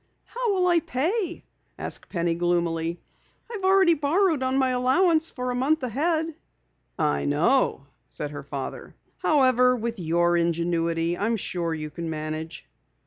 "How will I pay?" asked Penny gloomily. "I've already borrowed on my allowance for a month ahead." "I know," said her father. "However, with your ingenuity I am sure you can manage."